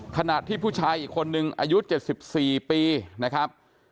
ขณะที่ผู้ชายอีกคนนึงอายุ๗๔ปีนะครับ